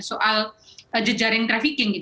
soal jejaring trafficking